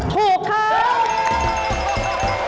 ถูกครับ